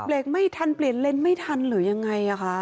กไม่ทันเปลี่ยนเลนส์ไม่ทันหรือยังไงคะ